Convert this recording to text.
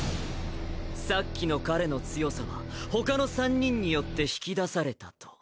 さっきの彼の強さは他の３人によって引き出されたと。